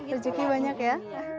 rejeki banyak ya